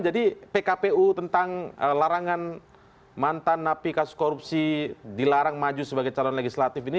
jadi pkpu tentang larangan mantan napi kasus korupsi dilarang maju sebagai calon legislatif ini